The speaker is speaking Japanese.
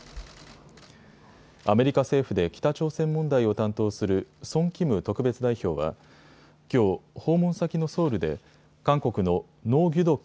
アメリカ政府で北朝鮮問題を担当するソン・キム特別代表はきょう、訪問先のソウルで韓国のノ・ギュドク